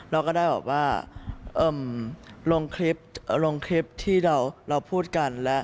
เราก็ได้ว่าลงคลิปที่เราพูดกัน